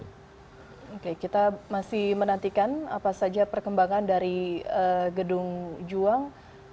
oke kita masih menantikan apa saja perkembangan dari gedung juang